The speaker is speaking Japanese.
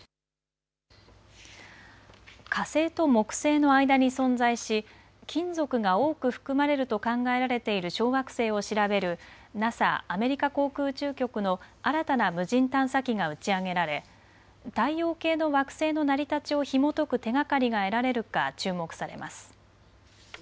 火星と木星の間に存在し金属が多く含まれると考えられている小惑星を調べるＮＡＳＡ・アメリカ航空宇宙局の新たな無人探査機が打ち上げられ太陽系の惑星の成り立ちをひもとく手がかりが得られるか注目されます。